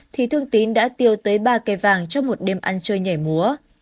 thì thương tín đã tiêu tới ba cây vàng trong một đêm ăn chơi nhảy múa